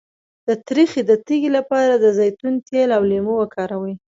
د تریخي د تیږې لپاره د زیتون تېل او لیمو وکاروئ